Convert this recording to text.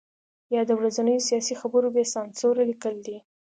یا د ورځنیو سیاسي خبرو بې سانسوره لیکل دي.